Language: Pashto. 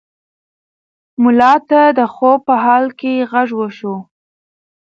ملا ته د خوب په حال کې غږ وشو.